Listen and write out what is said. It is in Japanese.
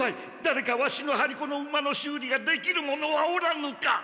だれかワシの張り子の馬の修理ができる者はおらんのか！